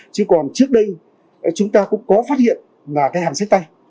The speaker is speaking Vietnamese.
chứ còn trước đây chúng ta cũng có phát hiện là cái hàng sách tay